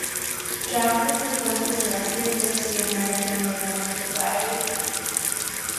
Jackson was one of the directors of the American Oriental Society.